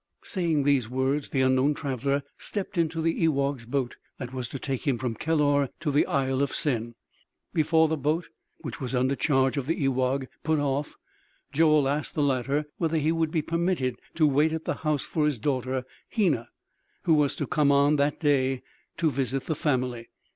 Saying these words the unknown traveler stepped into the ewagh's boat that was to take him from Kellor to the Isle of Sen. Before the boat, which was under charge of the ewagh, put off, Joel asked the latter whether he would be permitted to wait at the house for his daughter Hena, who was to come on that day to visit the family.